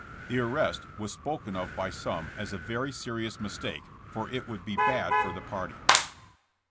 The arrest was spoken of by some as a very serious mistake, for it would be 'bad for the party.'